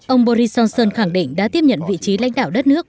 ông boris johnson khẳng định đã tiếp nhận vị trí lãnh đạo đất nước